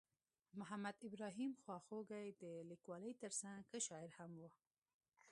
محمد ابراهیم خواخوږی د لیکوالۍ ترڅنګ ښه شاعر هم ؤ.